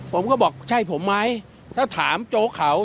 ผมก็บอกใช่ผมไหมถ้าถามโจ๊กเขา